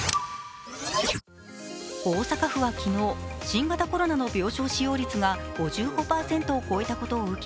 大阪府は昨日、新型コロナの病床使用率が５５％を超えたことを受け